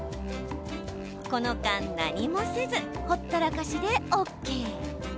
この間、何もせずほったらかしでＯＫ。